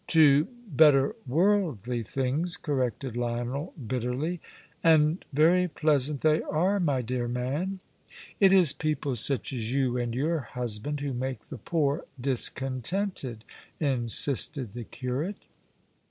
"To better worldly things," corrected Lionel, bitterly. "And very pleasant they are, my dear man." "It is people such as you and your husband who make the poor discontented," insisted the curate.